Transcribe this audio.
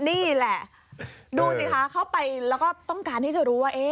นี่แหละดูสิคะเข้าไปแล้วก็ต้องการที่จะรู้ว่า